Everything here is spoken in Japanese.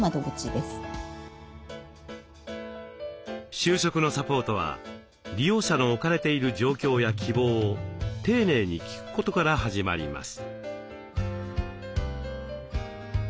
就職のサポートは利用者の置かれている状況や希望を丁寧に聞くことから始まります。